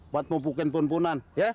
buat pupukin pun punan ya